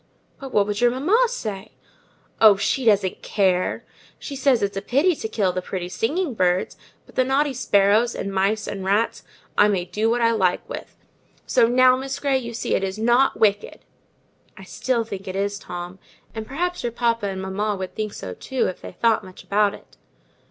"But what would your mamma say?" "Oh, she doesn't care! she says it's a pity to kill the pretty singing birds, but the naughty sparrows, and mice, and rats, I may do what I like with. So now, Miss Grey, you see it is not wicked." "I still think it is, Tom; and perhaps your papa and mamma would think so too, if they thought much about it.